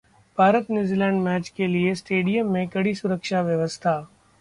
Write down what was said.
भारत-न्यूजीलैंड match के लिए stadium में कड़ी सुरक्षा व्यवस्था